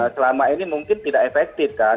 selama ini mungkin tidak efektif kan